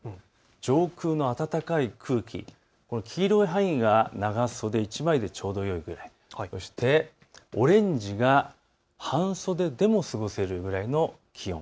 上空の暖かい空気、黄色い範囲が長袖１枚でちょうどよいぐらい、そして、オレンジが半袖でも過ごせるぐらいの気温。